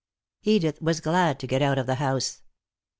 Edith was glad to get out of the house.